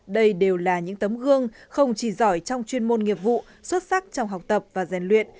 đây đều là những tấm gương không chỉ giỏi trong chuyên môn nghiệp vụ xuất sắc trong học tập và giàn luyện